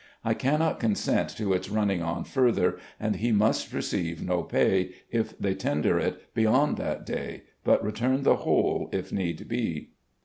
I cannot consent to its running on further, and he must receive no pay, if they tender it, beyond that day, but return the whole, if need be.